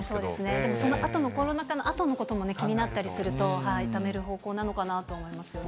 でも、そのあとの、コロナ禍のあとのことも気になったりすると、ためる方向なのかなと思いますよね。